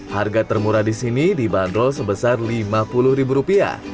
harga termurah di sini dibanderol sebesar lima puluh ribu rupiah